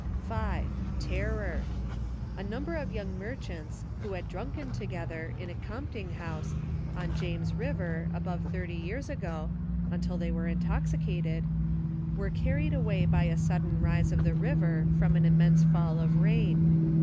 5. Terror. A number of young merchants, who had drunken together, in a coinpting house, on. .lafnes River, above thirty years ago, until they were intoxicated, were carried away by a sudden rise of the liver, from an im mense fall of rain.